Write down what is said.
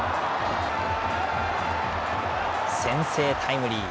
先制タイムリー。